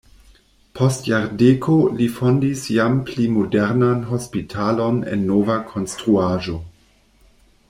Post jardeko li fondis jam pli modernan hospitalon en nova konstruaĵo.